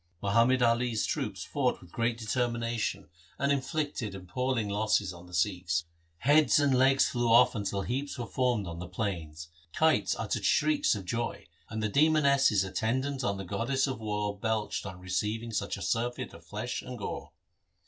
Muhammad Ali's troops fought with great determination, and LIFE OF GURU HAR GOBIND 87 inflicted appalling loss on the Sikhs. Heads and legs flew off until heaps were formed on the plains. Kites uttered shrieks of joy, and the demonesses attendant on the goddess of war belched on receiving such a surfeit of flesh and gore.